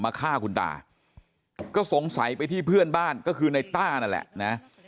ฆ่าคุณตาก็สงสัยไปที่เพื่อนบ้านก็คือในต้านั่นแหละนะ